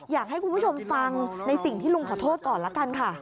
อยากให้คุณผู้ชมฟังในสิ่งที่ลุงขอโทษก่อนละกันค่ะ